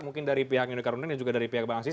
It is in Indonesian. mungkin dari pihak unikaruni dan juga dari pihak bang asis